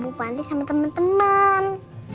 sama bu panti sama teman teman